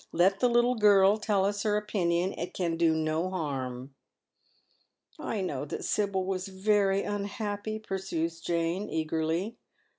" Let the little girl tell us her opinion. It can do no harm. '" I know that Sibyl was very unhappy," pursues Jane, eagerly.